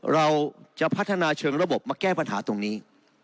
เราจะพัฒนาเชิงระบบมาแก้ปัญหาตรงนี้